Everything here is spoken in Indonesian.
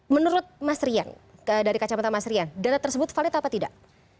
menurut mas rian dari kacamata mas rian data tersebut valid apa tidak